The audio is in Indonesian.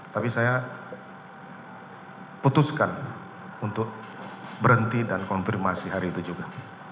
tapi saya putuskan untuk berhenti dan konfirmasi hari itu juga